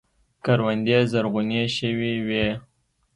کروندې زرغونې شوې وې.